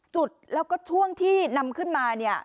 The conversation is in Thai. จุดแล้วก็ช่วงที่นำขึ้นมาเนี่ย